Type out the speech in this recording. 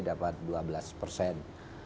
dapat dua belas persen